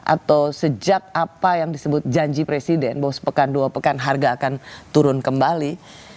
atau sejak apa yang disebut janji presiden bahwa sepekan dua pekan harga akan turun kembali